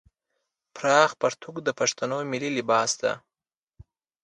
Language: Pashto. پراخ پرتوګ د پښتنو ملي لباس دی.